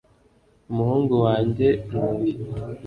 umuhungu wanjye ni uyu